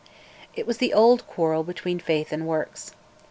It was the old quarrel between Faith and Works.